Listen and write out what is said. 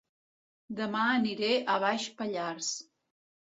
Dema aniré a Baix Pallars